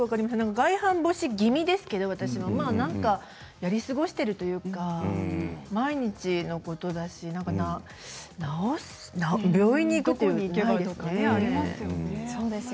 外反母趾気味ですけれど私はやり過ごしているというか毎日のことだし病院に行くということはないですね。